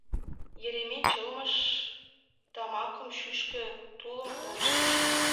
Еремей чылымыш тамакым шӱшкӧ, тулым ылыжтыш.